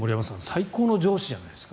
最高の上司じゃないですか？